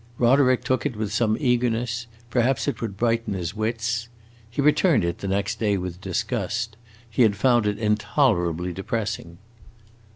Roderick took it with some eagerness; perhaps it would brighten his wits. He returned it the next day with disgust; he had found it intolerably depressing.